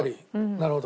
なるほど。